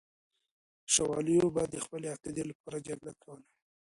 شوالیو به د خپلې عقیدې لپاره جګړه کوله.